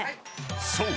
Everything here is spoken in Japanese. ［そう。